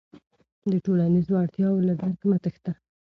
د ټولنیزو اړتیاوو له درکه مه تېښته.